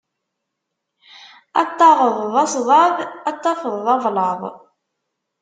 Ad t-taɣeḍ d asḍaḍ, ad t-tafeḍ d ablaḍ.